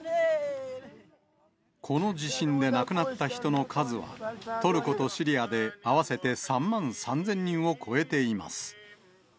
この地震で亡くなった人の数は、トルコとシリアで合わせて３万３０００人を超えています。